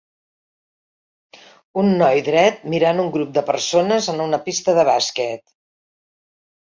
Un noi dret mirant un grup de persones en una pista de bàsquet.